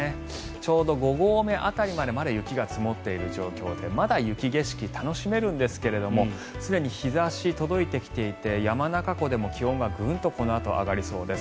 ちょうど５合目辺りまでまだ雪が積もっている状態でまだ雪景色楽しめるんですがすでに日差し、届いてきていて山中湖でも気温がこのあとグンと上がりそうです。